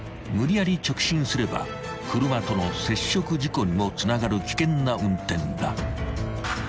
［無理やり直進すれば車との接触事故にもつながる危険な運転だ］